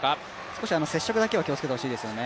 少し接触だけは気をつけてほしいですよね。